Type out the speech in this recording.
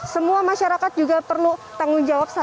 semua masyarakat juga perlu tanggung jawab